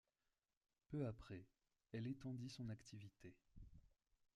Peu après, elle étendit son activité.